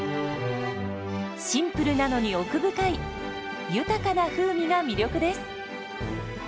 シンプルなのに奥深い豊かな風味が魅力です。